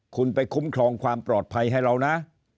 คุณไปคุ้มครองความปลอดภัยให้เรานะ